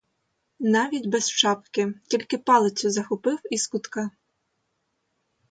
Навіть без шапки, тільки палицю захопив із кутка.